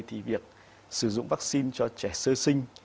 thì việc sử dụng vaccine cho trẻ sơ sinh